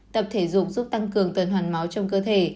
tập thể dục giúp tăng cường tuần hoàn máu trong cơ thể